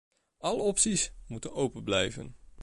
Alle opties moeten open blijven.